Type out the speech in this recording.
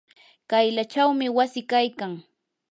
kaylachawmi wasi kaykan.